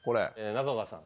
中川さん。